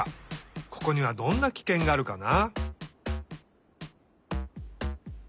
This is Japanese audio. ここにはどんなキケンがあるかな？